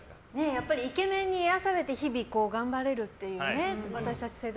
やっぱりイケメンに癒やされて日々頑張れるっていうね。